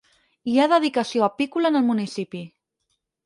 Hi ha dedicació apícola en el municipi.